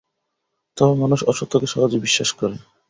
তবে মানুষ অসত্যকে সহজে বিশ্বাস করে!